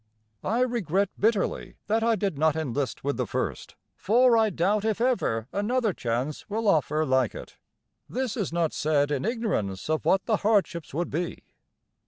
I regret bitterly that I did not enlist with the first, for I doubt if ever another chance will offer like it. This is not said in ignorance of what the hardships would be.